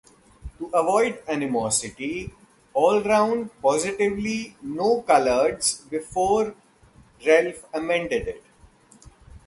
To avoid animosity all round positively no coloureds before Relf amended it.